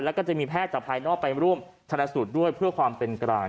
แล้วก็จะมีแพทย์จากภายนอกไปร่วมชนะสูตรด้วยเพื่อความเป็นกลาง